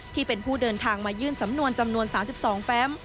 ที่เป็นผู้เดินทางมายื่นสำนวนจำนวน๓๒แฟม